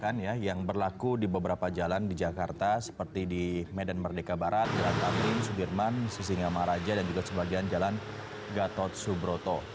kebijakan yang berlaku di beberapa jalan di jakarta seperti di medan merdeka barat jalan tamrin sudirman sisinga maraja dan juga sebagian jalan gatot subroto